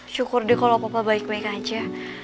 syukur deh kalau papa baik baik aja